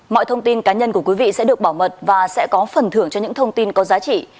mọi thông tin cá nhân của quý vị sẽ được bảo mật và sẽ có phần thưởng cho những thông tin có giá trị